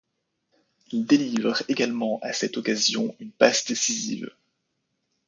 Il délivre également à cette occasion une passe décisive.